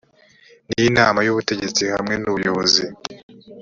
n inama y ubutegetsi hamwe n ubuyobozi